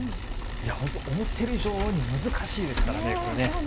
思っている以上に難しいですからね、これ。